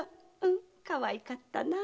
かわいかったな。